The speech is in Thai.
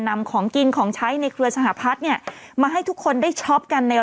นำของกินของใช้ในเครือสหพัฒน์เนี่ยมาให้ทุกคนได้ช็อปกันใน